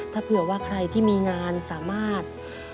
ถ้าเผื่อว่าใครที่มีงานสามารถ